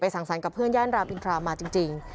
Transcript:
สั่งสรรค์กับเพื่อนย่านรามอินทรามาจริง